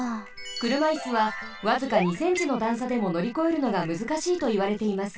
くるまイスはわずか２ｃｍのだんさでものりこえるのがむずかしいといわれています。